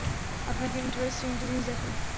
আপনাকে ইন্টেরেস্টিং একটা জিনিস দেখাই।